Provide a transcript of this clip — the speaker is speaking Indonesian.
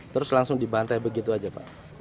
terus langsung dibantai begitu saja pak